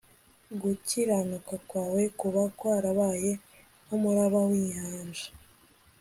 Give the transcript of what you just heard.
gukiranuka kwawe kuba kwarabaye nkumuraba winyanja